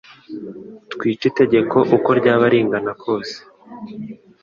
twice itegeko uko ryaba ringana kose